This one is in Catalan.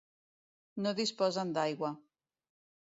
No disposen d'aigua.